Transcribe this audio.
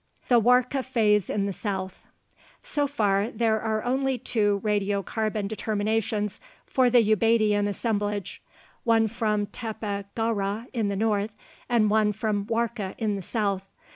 THE WARKA PHASE IN THE SOUTH So far, there are only two radiocarbon determinations for the Ubaidian assemblage, one from Tepe Gawra in the north and one from Warka in the south.